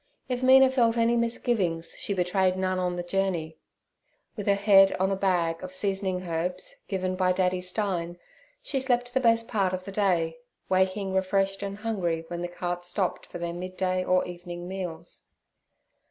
If Mina felt any misgivings she betrayed none on the journey. With her head on a bag of seasoning herbs, given by Daddy Stein, she slept the best part of the day, waking refreshed and hungry when the cart stopped for their midday or evening meals.